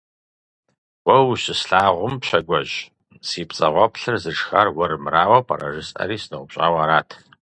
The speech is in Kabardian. Уэ ущыслъагъум, Пщагуэжь, си пцӀагъуэплъыр зышхар уэрмырауэ пӀэрэ жысӀэри сыноупщӀауэ арат.